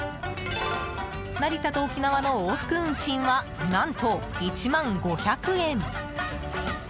成田と沖縄の往復運賃は何と１万５００円。